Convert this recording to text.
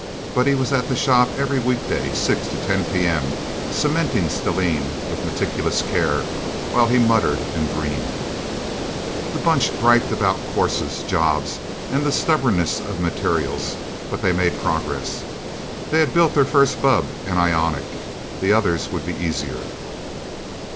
But he was at the shop every weekday, six to ten p.m., cementing stellene with meticulous care, while he muttered and dreamed. The Bunch griped about courses, jobs, and the stubbornness of materials, but they made progress. They had built their first bubb and ionic. The others would be easier.